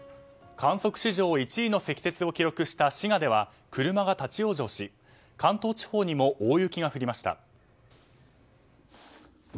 観測史上１位の積雪を記録した滋賀では車が立ち往生し、関東地方にも大雪が降りました。